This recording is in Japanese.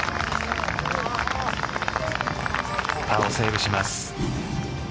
パーをセーブします。